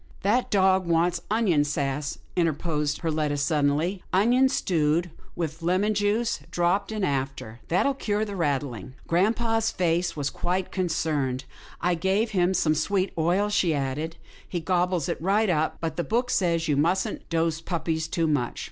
" That dog wants onion sass," interposed Per letta, suddenly, " onions stewed, with lemon juice dropped in after. That'll cure the rattling." Grampa's face was quite concerned. " I gave him some sweet oil," he said, " he gobbles it right up, but the book says you mustn't dose puppies too much."